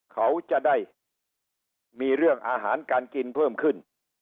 เขาจะได้มีเรื่องอาหารการกินเพิ่มขึ้น